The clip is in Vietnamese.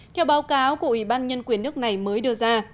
theo báo cáo của ủy ban nhân quyền nước này mới đưa ra